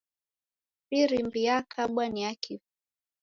Firimbi yakabwa ni ya kifwa